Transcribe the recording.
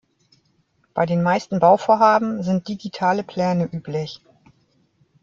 Bei den meisten Bauvorhaben sind digitale Pläne üblich.